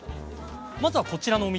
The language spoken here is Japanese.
まずはこちらのお店。